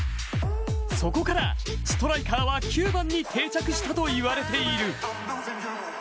そこから、ストライカーは９番に定着したといわれている。